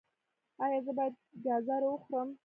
ایا زه باید ګازرې وخورم؟